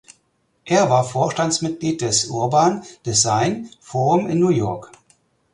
Er war Vorstandsmitglied des Urban Design Forum in New York.